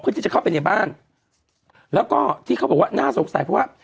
ที่จะเข้าไปในบ้านแล้วก็ที่เขาบอกว่าน่าสงสัยเพราะว่า